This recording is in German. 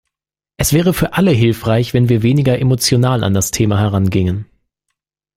Es wäre für alle hilfreich, wenn wir weniger emotional an das Thema herangingen.